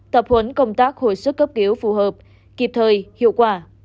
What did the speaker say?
tập huấn công tác hồi sức cấp cứu phù hợp kịp thời hiệu quả